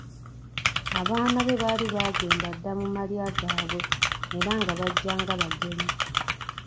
Abaana be baali baagenda dda mu malya gaabwe era nga bajja nga bagenyi.